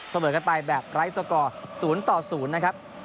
เสมอกันไปแบบไร้สกอร์๐ต่อ๐นะครับ